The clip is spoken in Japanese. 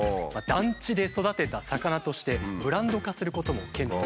団地で育てた魚としてブランド化することも検討していると。